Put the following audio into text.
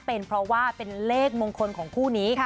เป็นเพราะว่าเป็นเลขมงคลของคู่นี้